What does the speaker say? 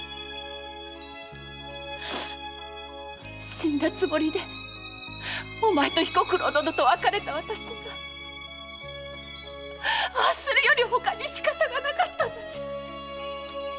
死んだつもりでお前と彦九郎殿と別れた私はああするよりほかにしかたがなかったのじゃ。